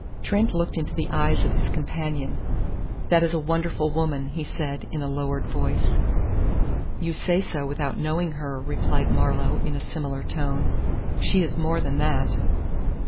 Trent looked into the eyes of his companion. "That is a wonderful woman," he said in a lowered voice. "You say so without knowing her," replied Marlowe in a similar tone. "She is more than that."